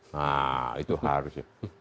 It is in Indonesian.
nah itu harusnya